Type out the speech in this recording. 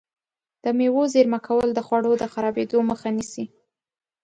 د مېوو زېرمه کول د خوړو د خرابېدو مخه نیسي.